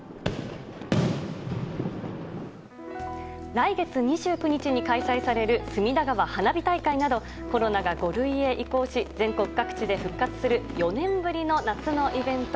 来月２９日に開催される隅田川花火大会などコロナが５類へ移行し全国各地で復活する４年ぶりの夏のイベント。